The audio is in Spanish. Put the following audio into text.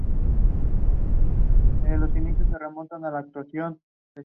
El animal es amarillento con manchas blancas.